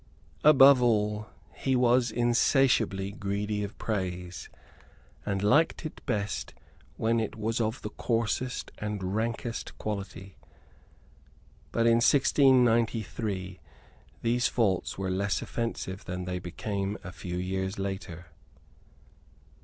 Above all, he was insatiably greedy of praise, and liked it best when it was of the coarsest and rankest quality. But, in 1693, these faults were less offensive than they became a few years later.